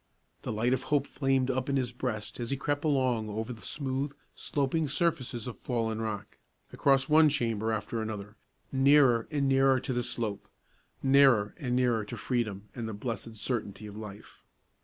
The light of hope flamed up in his breast as he crept along over the smooth, sloping surfaces of fallen rock, across one chamber after another, nearer and nearer to the slope, nearer and nearer to freedom, and the blessed certainty of life.